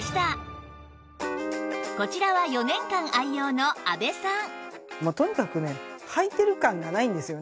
こちらは４年間愛用の阿部さん